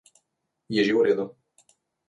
Je že v redu.